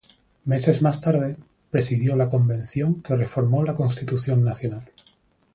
Meses más tarde, presidió la convención que reformó la Constitución Nacional.